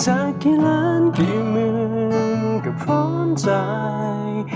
จากกี่ล้านกี่หมื่นก็พร้อมใจ